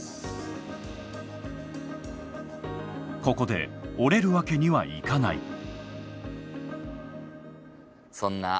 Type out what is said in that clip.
ここで折れるわけにはいかない。